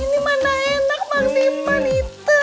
ini mana enak mang diman item